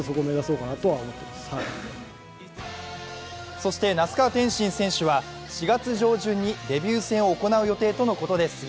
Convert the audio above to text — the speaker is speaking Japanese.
そして那須川天心選手は４月上旬にデビュー戦を行うとのことです。